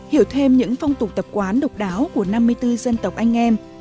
hiểu thêm những phong tục tập quán độc đáo của năm mươi bốn dân tộc anh em